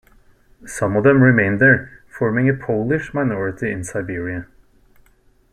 Some of them remained there, forming a Polish minority in Siberia.